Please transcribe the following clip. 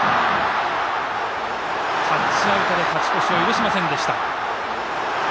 タッチアウトで勝ち越しを許しませんでした。